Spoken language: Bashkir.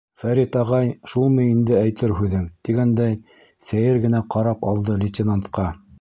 Фәрит ағай, шулмы инде әйтер һүҙең, тигәндәй, сәйер генә ҡарап алды лейтенантҡа.